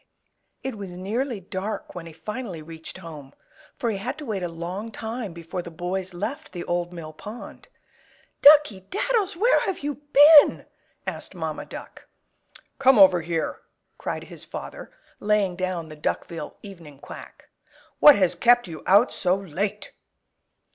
It was nearly dark when he finally reached home, for he had to wait a long time before the boys left the Old Mill Pond. "Duckey Daddles, where have you been?" asked Mamma Duck. "Come over here!" cried his father, laying down the Duckville "Evening Quack." "What has kept you out so late?"